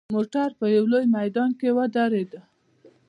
موټر په یوه لوی میدان کې ودرېدل.